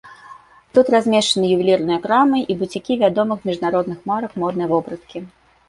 Тут размешчаны ювелірныя крамы і буцікі вядомых міжнародных марак моднай вопраткі.